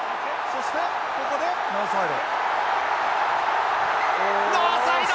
そしてここでノーサイド！